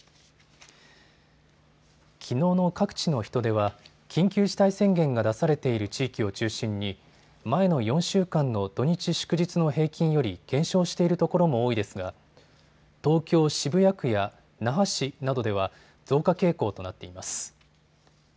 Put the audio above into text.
きのうの各地の人出は緊急事態宣言が出されている地域を中心に前の４週間の土日祝日の平均より減少しているところも多いですが東京渋谷区や那覇市などでは増加傾向となっています。